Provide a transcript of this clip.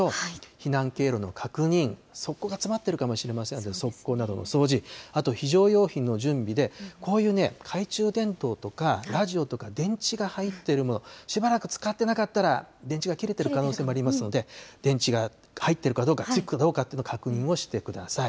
避難経路の確認、側溝が詰まってるかもしれませんので、側溝などの掃除、あと非常用品の準備で、こういう懐中電灯とか、ラジオとか電池が入ってるの、しばらく使ってなかったら、電池が切れてる可能性もありますので、電池が入ってるかどうか、チェック、確認をしてください。